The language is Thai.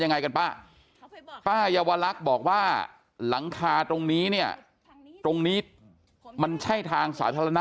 ยังไงกันป้าป้าเยาวลักษณ์บอกว่าหลังคาตรงนี้เนี่ยตรงนี้มันใช่ทางสาธารณะ